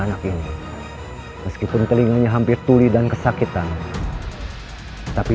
aku tidak bisa terus di sini